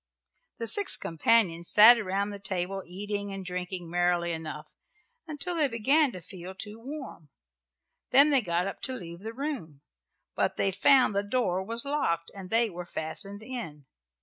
The six companions sat around the table eating and drinking merrily enough, until they began to feel too warm. Then they got up to leave the room, but they found the door was locked and they were fastened in.